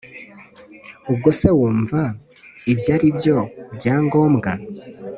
ubwo se wumvaga ibyo aribyo byangombwa